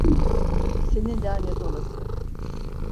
Seni lanet olası!